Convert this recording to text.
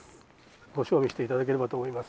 ご賞味していただければと思います。